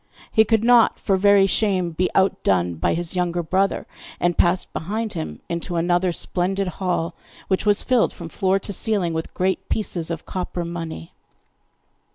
He could not for very shame be outdone by his younger brother, and passed behind him into another splendid hall, which was filled from floor to ceiling with great pieces of copper money.